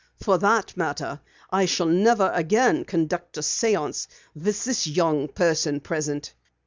For that matter, I shall never again conduct a séance with this young person present.